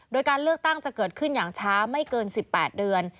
โดยการเลือกตั้งจะเกิดขึ้นอย่างช้าไม่เกิน๑๘เดือน